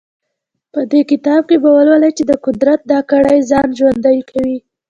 په دې کتاب کې به ولولئ چې د قدرت دا کړۍ ځان ژوندی کوي.